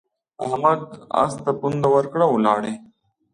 احمد اس ته پونده ورکړه او ولاړ.